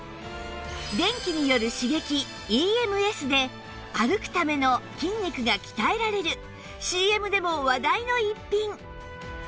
電気による刺激 ＥＭＳ で歩くための筋肉が鍛えられる ＣＭ でも話題の逸品